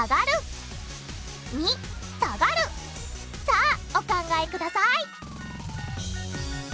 さあお考えください